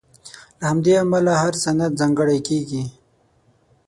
له همدې امله هر سند ځانګړی کېږي.